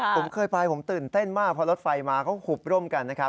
ผมเคยไปผมตื่นเต้นมากเพราะรถไฟมาก็หุบร่มกัน